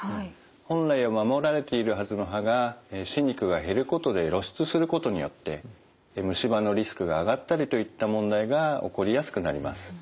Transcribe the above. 本来は守られているはずの歯が歯肉が減ることで露出することによって虫歯のリスクが上がったりといった問題が起こりやすくなります。